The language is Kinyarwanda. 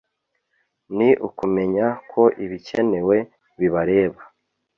ni ukumenya ko ibikenewe bibareba